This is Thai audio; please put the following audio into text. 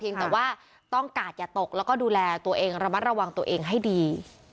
ยังแต่ว่าต้องกาดอย่าตกแล้วก็ดูแลตัวเองระมัดระวังตัวเองให้ดี